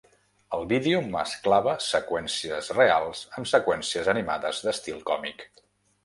El vídeo mesclava seqüències reals amb seqüències animades d'estil còmic.